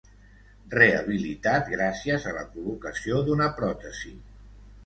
Rehabilitat gràcies a la col·locació d'una pròtesi.